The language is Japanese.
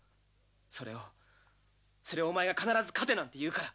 それを、それをお前が必ず勝てなんて言うから。